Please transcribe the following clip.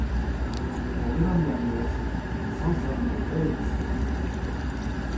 ポメラニアンのオス３歳のレイです。